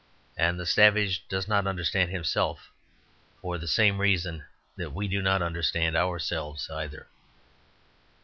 And the savage does not understand himself for the same reason that we do not understand ourselves either.